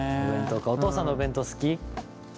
お父さんのお弁当好き？